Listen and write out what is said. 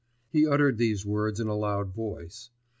He uttered these words in a loud voice.